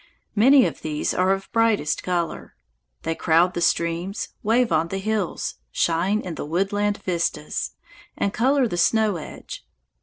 Many of these are of brightest color. They crowd the streams, wave on the hills, shine in the woodland vistas, and color the snow edge.